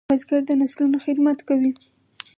بزګر د نسلونو خدمت کوي